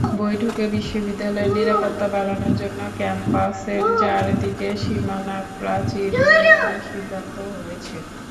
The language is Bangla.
বৈঠকে বিশ্ববিদ্যালয়ের নিরাপত্তা বাড়ানোর জন্য ক্যাম্পাসের চারদিকে সীমানাপ্রাচীর নির্মাণের সিদ্ধান্ত হয়েছে।